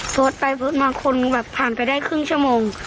โพสต์ไปโพสต์มาคนแบบผ่านไปได้ครึ่งชั่วโมง